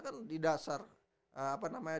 kan di dasar apa namanya